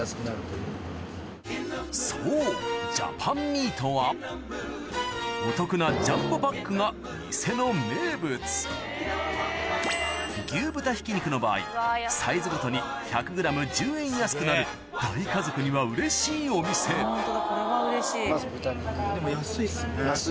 そうジャパンミートはお得なジャンボパックが店の名物牛豚ひき肉の場合サイズごとに１００ｇ１０円安くなる大家族にはうれしいお店安いっすね。